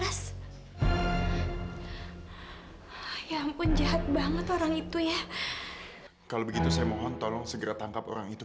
hai ya ampun jahat banget orang itu ya kalau begitu saya mohon tolong segera tangkap orang itu